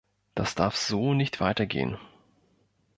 Das darf so nicht weiter gehen.